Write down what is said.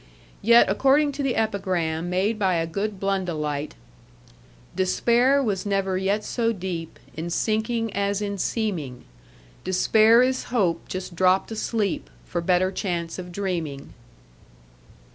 Yet according to the epigram made by a good Blundellite, Despair was never yet so deep In sinking as in seeming; Despair is hope just dropped asleep For better chance of dreaming.